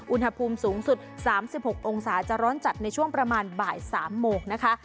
อุณหภูมิสูงสุด๓๖องศาจะร้อนจัดในช่วงประมาณบ่าย๓โมงนะคะ